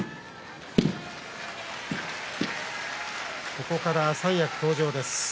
ここから三役登場です。